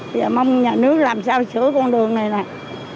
bây giờ mong nhà nước làm sao sửa con đường này nè